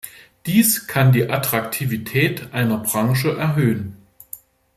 Dies kann die Attraktivität einer Branche erhöhen.